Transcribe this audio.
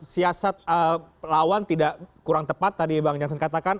siasat lawan tidak kurang tepat tadi bang jansen katakan